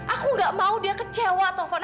aku gak mau dia kecewa telepon